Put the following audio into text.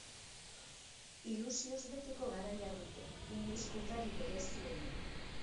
Ilusioz beteko garaia dute, inoizko udarik berezienean.